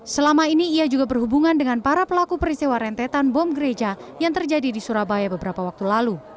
selama ini ia juga berhubungan dengan para pelaku perisiwa rentetan bom gereja yang terjadi di surabaya beberapa waktu lalu